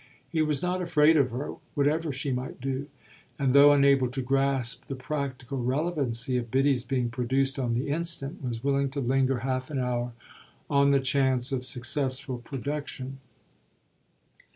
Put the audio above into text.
He was not afraid of her, whatever she might do; and though unable to grasp the practical relevancy of Biddy's being produced on the instant was willing to linger half an hour on the chance of successful production.